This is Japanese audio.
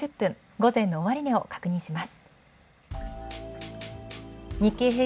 午前の終値を確認します。